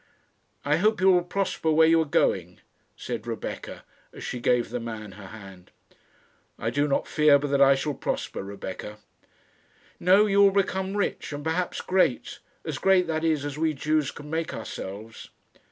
"I hope you will prosper where you are going," said Rebecca, as she gave the man her hand. "I do not fear but that I shall prosper, Rebecca." "No; you will become rich, and perhaps great as great, that is, as we Jews can make ourselves."